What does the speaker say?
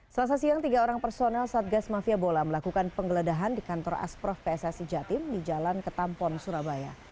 selasa siang tiga orang personel satgas mafia bola melakukan penggeledahan di kantor asprof pssi jatim di jalan ketampon surabaya